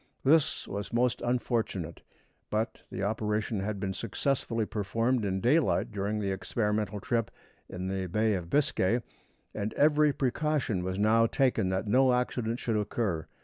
This was most unfortunate; but the operation had been successfully performed in daylight during the experimental trip in the Bay of Biscay, and every precaution was now taken that no accident should occur.